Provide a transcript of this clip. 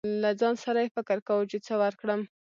له ځان سره يې فکر کو، چې څه ورکړم.